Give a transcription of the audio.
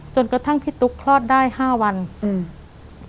จนกระทั่งพี่ตุ๊กคลอดได้ห้าวันอืม